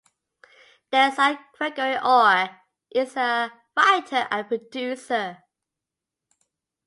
Their son, Gregory Orr, is a writer and producer.